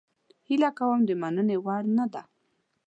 هیله کوم د مننې وړ نه ده